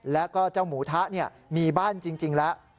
แล้วก็เจ้าหมูทะมีบ้านจริงแล้ว